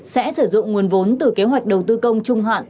sẽ sử dụng nguồn vốn từ kế hoạch đầu tư công trung hạn